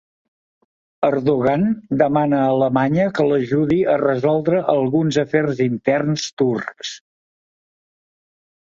Erdogan demana a Alemanya que l'ajudi a resoldre alguns afers interns turcs